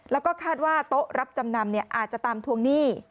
แล้วก็คาดว่าโต๊ะรับจำนำอาจจะตามทวงหนี้